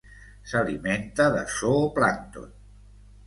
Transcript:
S'alimenta de zooplàncton.